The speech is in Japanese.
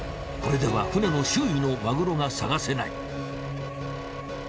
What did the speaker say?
これでは船の周囲のマグロが探せない。